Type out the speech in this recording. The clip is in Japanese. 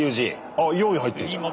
あっ４位入ってんじゃん。